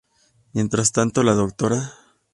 Mientras tanto, la Dra.